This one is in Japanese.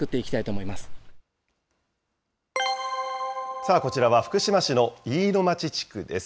さあ、こちらは福島市の飯野町地区です。